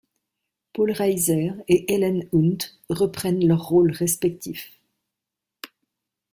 Paul Reiser et Helen Hunt reprennent leur rôle respectif.